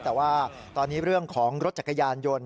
แต่ว่าตอนนี้เรื่องของรถจักรยานยนต์